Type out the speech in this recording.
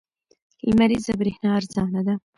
لمریزه برېښنا ارزانه ده.